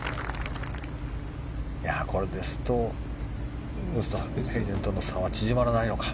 これですとウーストヘイゼンとの差は縮まらないのか。